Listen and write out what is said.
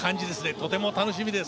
とても楽しみです。